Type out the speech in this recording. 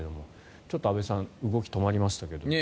ちょっと安部さん動きが止まりましたけど。